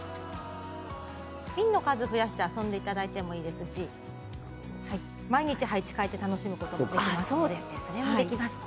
瓶の数を増やして遊んでいただいてもいいですし毎日配置を変えて楽しむこともできます。